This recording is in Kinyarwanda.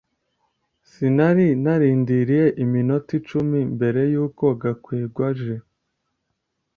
sinari narindiriye iminota icumi mbere yuko gakwego aje. (cm